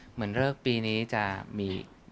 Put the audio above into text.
เหมือนเลิกปีนี้จะมี